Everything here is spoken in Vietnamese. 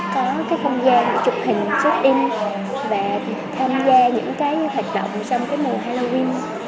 có cái không gian chụp hình chụp in và tham gia những cái hoạt động trong cái mùa halloween